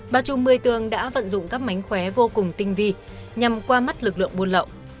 bà trùm một mươi tường đã vận dụng các mánh khóe vô cùng tinh vi nhằm qua mắt lực lượng buôn lậu